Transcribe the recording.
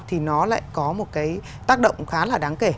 thì nó lại có một cái tác động khá là đáng kể